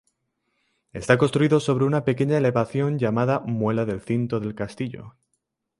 Está construido sobre una pequeña elevación llamada muela del Cinto del Castillo.